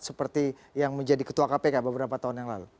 seperti yang menjadi ketua kpk beberapa tahun yang lalu